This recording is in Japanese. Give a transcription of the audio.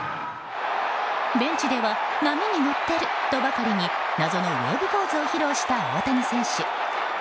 ベンチでは波に乗ってるとばかりに謎のウェーブポーズを披露した大谷選手。